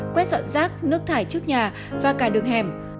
quét dọn rác nước thải trước nhà và cả đường hẻm